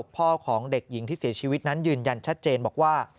พ่อของเด็กหญิงที่เสียชีวิตนั้นยืนยันชัดเจนบอกว่า